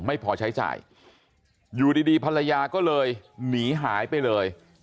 ไม่พอใช้จ่ายอยู่ดีภรรยาก็เลยหนีหายไปเลย